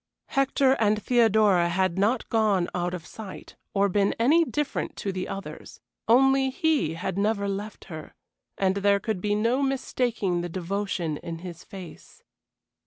Hector and Theodora had not gone out of sight, or been any different to the others; only he had never left her, and there could be no mistaking the devotion in his face.